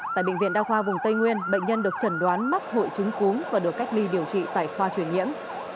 tại bệnh viện đa khoa vùng tây nguyên bệnh nhân được chẩn đoán mắc hội chứng cúm và được cách ly điều trị tại khoa truyền nhiễm